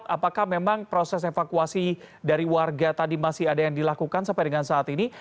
apakah memang proses evakuasi dari warga tadi masih ada yang dilakukan sampai dengan saat ini